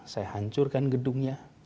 saya hancurkan gedungnya